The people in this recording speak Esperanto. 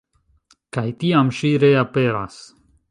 Kaj tiam ŝi reaperas.